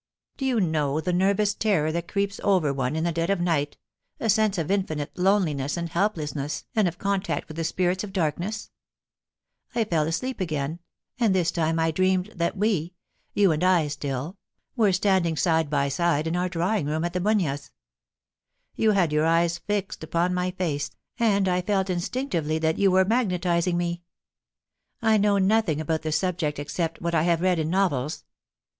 Do you know the nervous terror that creeps over one in the dead cf night— a sense of infinite loneliness and helplessness and of ccntact with the spirits of darkness ?... I fell asleep again, and this time I dreamed that we — you and I still — were standing f^ide by Aide in our drawing room at the Bunyas. You had your eyes fixed upon my face, and I felt instinctively that * YOU'LL GET THE CROOKED STICK A T LAST: i8i you were magnetising me. I know nothing about the sub ject except what I have read in novels.